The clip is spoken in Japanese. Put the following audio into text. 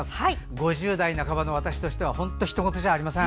５０代半ばの私としては本当にひと事じゃありません。